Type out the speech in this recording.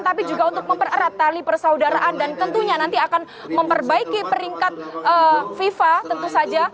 tapi juga untuk mempererat tali persaudaraan dan tentunya nanti akan memperbaiki peringkat fifa tentu saja